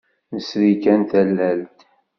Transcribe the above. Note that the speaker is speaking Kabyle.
Nesri kan tallalt.